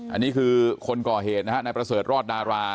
อันนี้คือคนก่อเหตุนะฮะนายประเสริฐรอดดารา